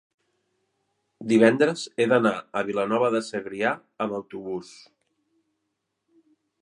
divendres he d'anar a Vilanova de Segrià amb autobús.